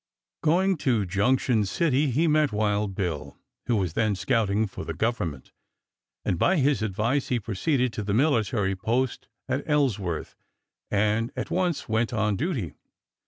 Going to Junction City he met Wild Bill, who was then scouting for the Government, and by his advice he proceeded to the military post at Ellsworth and at once went on duty.